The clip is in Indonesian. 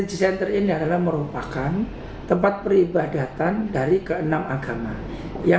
ragam rumah ibadah ini merupakan tempat peribadatan dari keenam agama